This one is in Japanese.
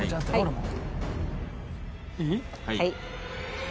はい。